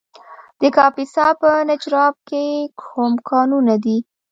د کاپیسا په نجراب کې کوم کانونه دي؟